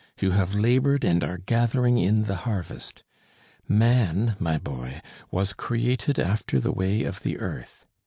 You have laboured and are gathering in the harvest. Man, my boy, was created after the way of the earth.